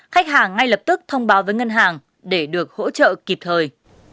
khách hàng ngay lập tức thông báo với ngân hàng để được hỗ trợ kịp thời